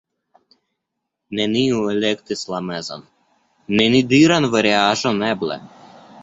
neniu elektis la mezan, nenidiran variaĵon "eble".